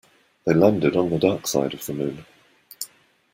They landed on the dark side of the moon.